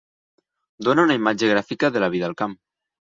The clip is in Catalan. Dona una imatge gràfica de la vida al camp.